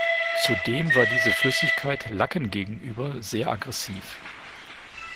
Zudem war diese Flüssigkeit Lacken gegenüber sehr aggressiv.